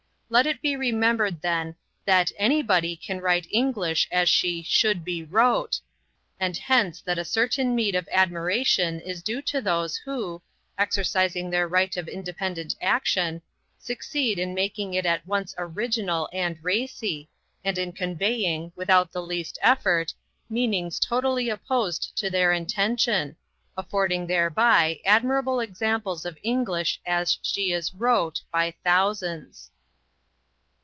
Let it be remembered, then, that anybody can write English as she "should be wrote," and hence that a certain meed of admiration is due to those who, exercising their right of independent action, succeed in making it at once original and racy, and in conveying, without the least effort, meanings totally opposed to their intention, affording thereby admirable examples of English as "she is wrote" by thousands.